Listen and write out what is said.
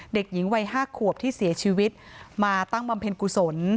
เด็กหญิงวัย๕ขวบที่เสียชีวิตมาตั้งบำเพ็ญกุศล